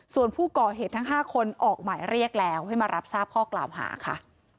ส่วนผู้ก่อเหตุทั้ง๕คนออกหมายเรียกแล้วให้มารับทราบข้อกล่าวหาค่ะ